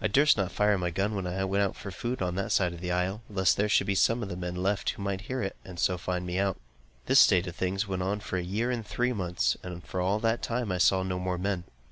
I durst not fire my gun when I went out for food on that side the isle, lest there should be some of the men left, who might hear it, and so find me out. This state of things went on for a year and three months, and for all that time I saw no more men.